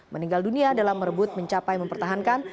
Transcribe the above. meninggal dunia dalam merebut mencapai mempertahankan